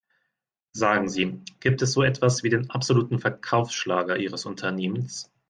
Sagen Sie, gibt es so etwas wie den absoluten Verkaufsschlager ihres Unternehmens?